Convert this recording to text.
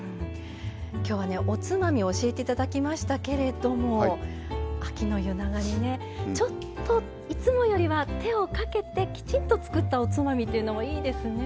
今日はおつまみを教えて頂きましたけれども秋の夜長にねちょっといつもよりは手をかけてきちんとつくったおつまみというのもいいですね。